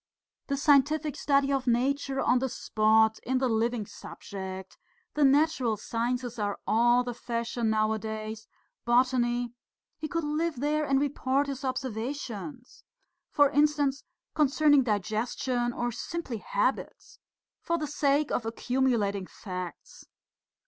"The scientific study of nature on the spot, in the living subject. The natural sciences are all the fashion nowadays, botany.... He could live there and report his observations.... For instance, concerning digestion or simply habits. For the sake of accumulating facts."